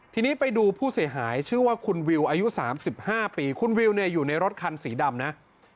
ทีนี้ไปดูผู้เสียหายชื่อว่าคุณวิวอายุ๓๕ปีคุณวิวเนี่ยอยู่ในรถคันสีดำนะ